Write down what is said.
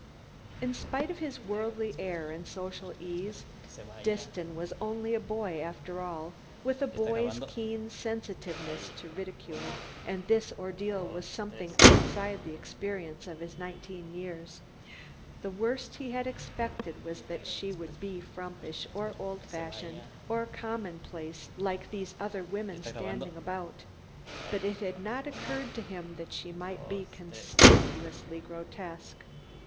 In spite of his worldly air and social ease, Disston was only a boy after all, with a boy's keen sensitiveness to ridicule, and this ordeal was something outside the experience of his nineteen years. The worst he had expected was that she would be frumpish, or old fashioned, or commonplace like these other women standing about, but it had not occurred to him that she might be conspicuously grotesque.